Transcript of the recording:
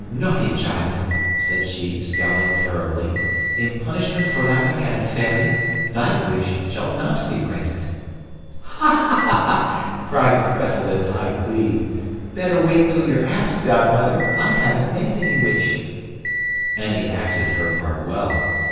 "Naughty child," said she, scowling terribly. "In punishment for laughing at a fairy, THY wish shall not be granted." "Ha!" cried Gretel in high glee, "better wait till you're asked, godmother. I haven't made any wish!" Annie acted her part well.